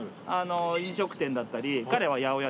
飲食店だったり彼は八百屋ですし。